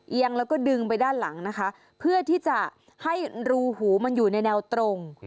แล้วก็ดึงไปด้านหลังนะคะเพื่อที่จะให้รูหูมันอยู่ในแนวตรง